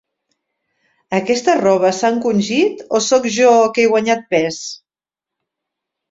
Aquesta roba s'ha encongit o sóc jo, que he guanyat pes?